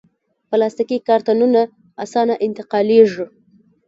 پلاستيکي کارتنونه اسانه انتقالېږي.